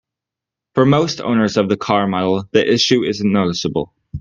For most owners of the car model, the issue isn't noticeable.